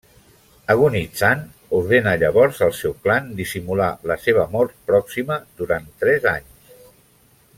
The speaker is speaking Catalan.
Agonitzant, ordena llavors al seu clan dissimular la seva mort pròxima durant tres anys.